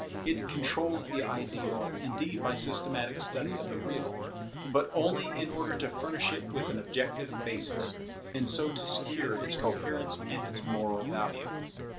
It controls the Ideal, indeed, by systematic study of the Real; but only in order to furnish it with an objective basis, and so to secure its coherence and its moral value.